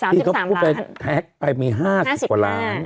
ที่เขาไปแท็กไปมี๕๐ประมาณ